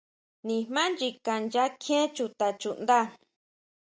Nijmá nyikan nya kjie chuta chuʼnda.